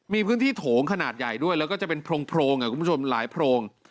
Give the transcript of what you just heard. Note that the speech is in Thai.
มีพื้นที่โถงขนาดใหญ่ด้วยแล้วก็จะเป็นโพรงคุณผู้ชมหลายโพรง